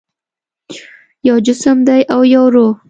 یو جسم دی او یو روح